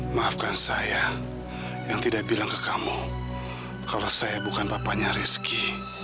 maafkan saya yang tidak bilang ke kamu kalau saya bukan papanya rizky